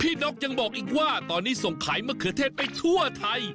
นกยังบอกอีกว่าตอนนี้ส่งขายมะเขือเทศไปทั่วไทย